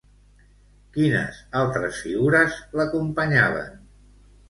Quines altres figures l'acompanyaven?